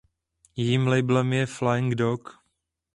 Jejím labelem je Flying Dog.